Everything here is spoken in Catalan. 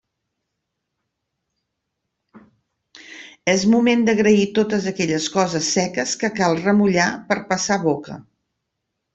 És moment d'agrair totes aquelles coses seques que cal remullar per a passar boca.